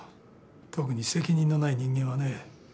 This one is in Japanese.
特に責任のない人間はね。